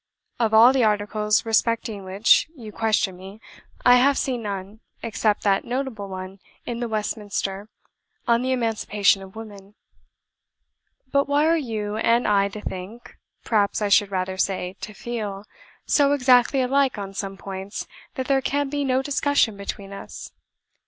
Of all the articles respecting which you question me, I have seen none, except that notable one in the 'Westminster' on the Emancipation of Women. But why are you and I to think (perhaps I should rather say to FEEL) so exactly alike on some points that there can be no discussion between us?